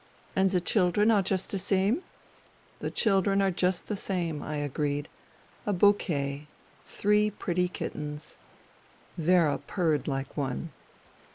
" And the children are just the same ?*''' The children are just the same," I agreed. " A bouquet. Three pretty kittens." Vera purred like one.